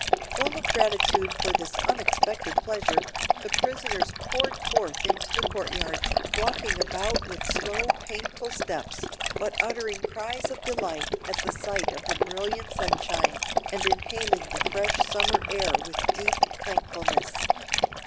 Full of gratitude for this unexpected pleasure, the prisoners poured forth into the courtyard, walking about with slow painful steps, but uttering cries of delight at the sight of the brilliant sunshine, and inhaling the fresh summer air with deep thankfulness.